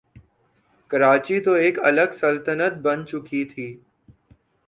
کراچی تو ایک الگ سلطنت بن چکی تھی۔